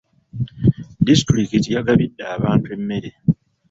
Disitulikiti yagabidde abantu emmere.